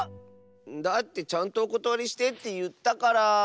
だってちゃんとおことわりしてっていったから。